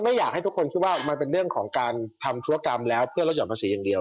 ไม่อยากให้ทุกคนคิดว่ามันเป็นเรื่องของการทำธุรกรรมแล้วเพื่อลดห่อนภาษีอย่างเดียว